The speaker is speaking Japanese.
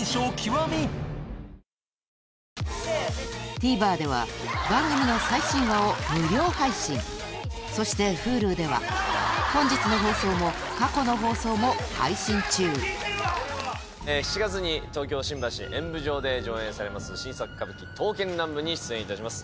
ＴＶｅｒでは番組の最新話を無料配信そしてｈｕｌｕでは本日の放送も過去の放送も配信中７月に東京・新橋演舞場で上演されます新作歌舞伎『刀剣乱舞』に出演いたします。